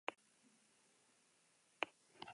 Guztiek epaiketan deklaratu beharko dute.